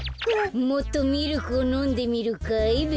もっとミルクをのんでみるかい？